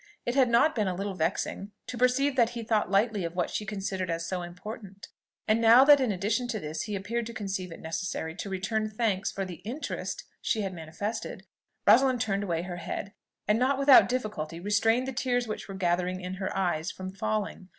It had not been a little vexing to perceive that he thought lightly of what she considered as so important; and now that in addition to this he appeared to conceive it necessary to return thanks for the interest she had manifested, Rosalind turned away her head, and not without difficulty restrained the tears which were gathering in her eyes from falling.